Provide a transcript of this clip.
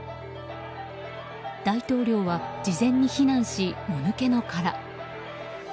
大統領は事前に避難しもぬけの殻。